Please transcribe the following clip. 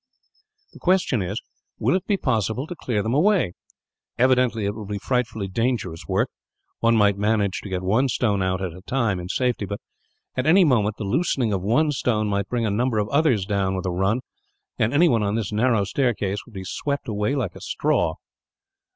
The question is, will it be possible to clear them away? Evidently it will be frightfully dangerous work. One might manage to get one stone out, at a time, in safety. But at any moment, the loosening of one stone might bring a number of others down, with a run; and anyone on this narrow staircase would be swept away like a straw."